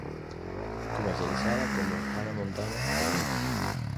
Comercializada como "Hannah Montana Forever".